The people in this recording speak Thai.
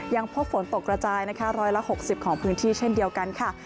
ยังพบฝนตกกระจายนะคะ๑๖๐ของพื้นที่เช่นเดียวกันค่ะ